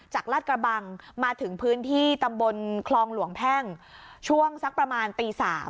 ลาดกระบังมาถึงพื้นที่ตำบลคลองหลวงแพ่งช่วงสักประมาณตี๓